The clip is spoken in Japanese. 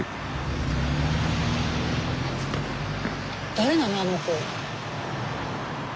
誰なのあの子？